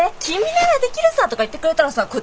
「君ならできるさ！」とか言ってくれたらさ